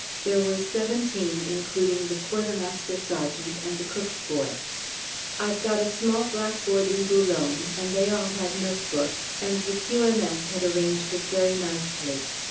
There were seventeen, including the Quartermaster Sergeant and the cook's boy. I'd got a small blackboard in Boulogne, and they all had notebooks, and the Q.M.S. had arranged it very nicely.